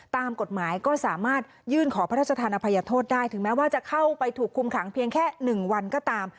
ตามกฎหมายก็สามารถยื่นขอพระราชธานอภัยโทษได้ถึงแม้ว่าจะเข้าไปถูกคุมขังเพียงแค่๑วันก็ตาม